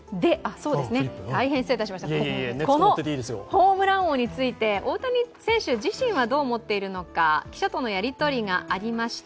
このホームラン王について、大谷選手自身はどう思っているのか、記者とのやりとりがありました。